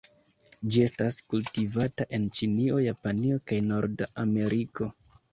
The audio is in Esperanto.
Ĝi estas kultivata en Ĉinio, Japanio kaj Nord-Ameriko.